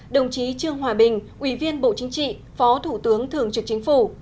đồng chí trương hòa bình ủy viên bộ chính trị phó thủ tướng thường trực chính phủ